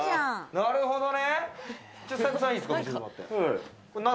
なるほどね。